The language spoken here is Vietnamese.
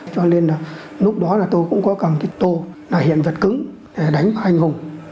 cho nên lúc đó tôi cũng có cần tô hiện vật cứng để đánh anh hùng